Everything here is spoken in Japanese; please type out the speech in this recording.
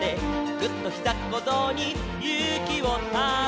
「ぐっ！とひざっこぞうにゆうきをため」